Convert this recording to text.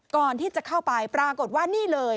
ก่อนที่จะเข้าไปปรากฏว่านี่เลย